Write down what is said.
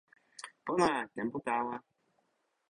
pona! tenpo tawa!